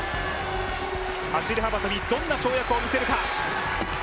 走幅跳、どんな跳躍を見せるか。